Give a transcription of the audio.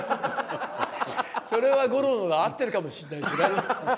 それは五郎の方が合ってるかもしれないですね。